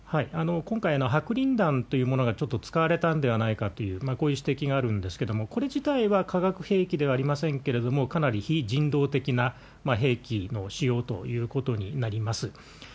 今回、白リン弾というものがちょっと使われたんではないかという、こういう指摘があるんですけれども、これ自体は化学兵器ではありませんけれども、かなり非人道的な兵器の使用ということになります。